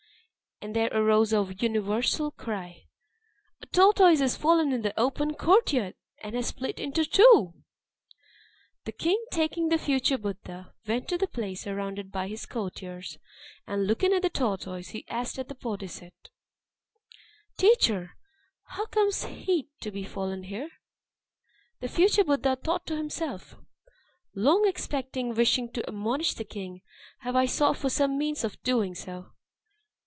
And there arose a universal cry, "A tortoise has fallen in the open courtyard, and has split in two!" The king, taking the future Buddha, went to the place, surrounded by his courtiers; and looking at the tortoise, he asked the Bodisat, "Teacher! how comes he to be fallen here?" The future Buddha thought to himself, "Long expecting, wishing to admonish the king, have I sought for some means of doing so.